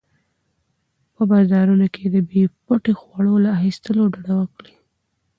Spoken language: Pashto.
په بازارونو کې د بې پټي خواړو له اخیستلو ډډه وکړئ.